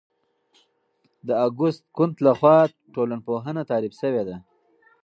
د اګوست کُنت لخوا ټولنپوهنه تعریف شوې ده.